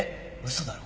嘘だろ。